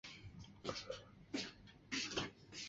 所属经纪公司为。